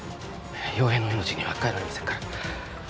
陽平の命にはかえられませんから。